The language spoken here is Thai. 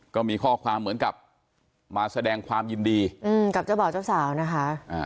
ก็มีข้อความเหมือนกับมาแสดงความยินดีกับเจ้าบ่าวเจ้าสาวนะคะ